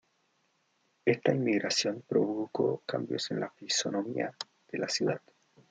Esta inmigración provocó cambios en la fisonomía de la ciudad.